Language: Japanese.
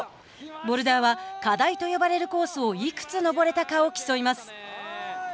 ボルダーは課題と呼ばれるコースをいくつ登れたかを競います。